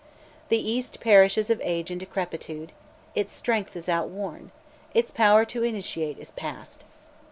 The East perishes of age and decrepitude; its strength is outworn, its power to initiate is past.